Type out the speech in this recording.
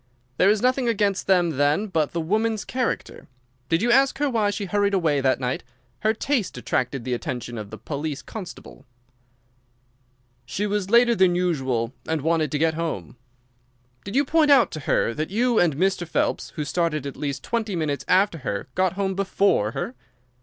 There is nothing against them then but the woman's character. Did you ask her why she hurried away that night? Her haste attracted the attention of the police constable." "She was later than usual and wanted to get home." "Did you point out to her that you and Mr. Phelps, who started at least twenty minutes after her, got home before her?"